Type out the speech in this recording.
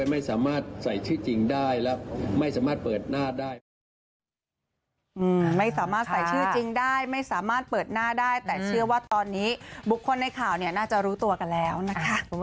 ไม่สามารถใส่ชื่อจริงได้ไม่สามารถเปิดหน้าได้แต่เชื่อว่าตอนนี้บุคคลในข่าวน่าจะรู้ตัวกันแล้วนะคะ